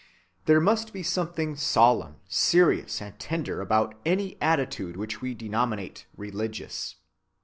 There must be something solemn, serious, and tender about any attitude which we denominate religious.